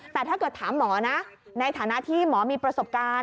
แต่ถ้าเกิดถามหมอนะในฐานะที่หมอมีประสบการณ์